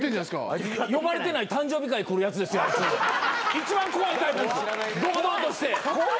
一番怖いタイプ堂々として。